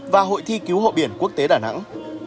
và hội thi cứu hộ biển quốc tế đà nẵng